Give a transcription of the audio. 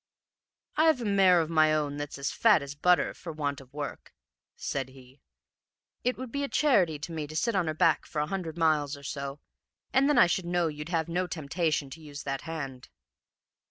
"'I've a mare of my own that's as fat as butter for want of work,' said he. 'It would be a charity to me to sit on her back for a hundred miles or so, and then I should know you'd have no temptation to use that hand.'